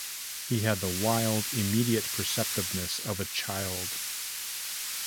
He had the wild, immediate perceptiveness of a child.